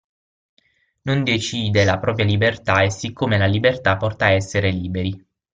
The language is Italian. Non decide la propria libertà e siccome la libertà porta a essere liberi.